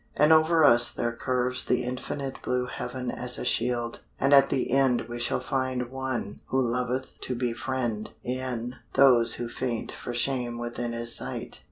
And over us there curves the infinite Blue heaven as a shield, and at the end We shall find One who loveth to befriend E'en those who faint for shame within His sight.